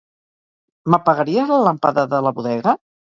M'apagaries la làmpada de la bodega?